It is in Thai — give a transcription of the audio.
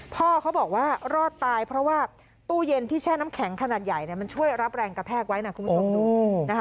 พ่อเขาบอกว่ารอดตายเพราะว่าตู้เย็นที่แช่น้ำแข็งขนาดใหญ่มันช่วยรับแรงกระแทกไว้นะคุณผู้ชมดูนะคะ